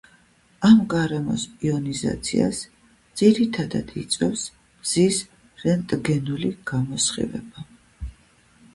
ამ გარემოს იონიზაციას ძირითადად იწვევს მზის რენტგენული გამოსხივება.